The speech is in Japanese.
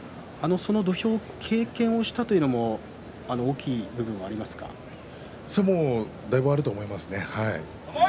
その土俵、経験をしたということだいぶあると思いますね。